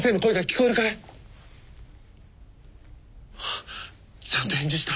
あちゃんと返事した。